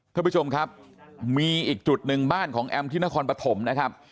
ท่านผู้ชมครับมีอีกจุดหนึ่งบ้านของแอมที่นครปฐมนะครับ